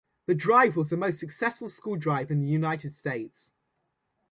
The drive was the most successful school drive in the United States.